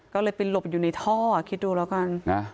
ก็เลยไปหลบอยู่ในท่อคิดดูแล้วกัน